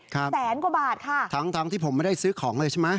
ครับทั้งที่ผมไม่ได้ซื้อของเลยใช่ไหม